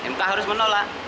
mk harus menolak